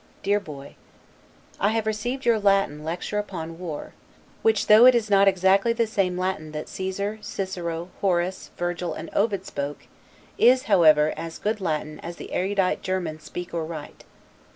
DEAR BOY: I have received your Latin "Lecture upon War," which though it is not exactly the same Latin that Caesar, Cicero, Horace, Virgil, and Ovid spoke, is, however, as good Latin as the erudite Germans speak or write.